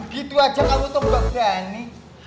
gitu aja kamu tuh gak berani